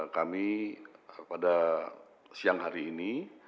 kami pada siang hari ini